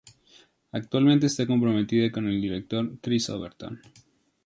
Actualmente está comprometida con el director Chris Overton.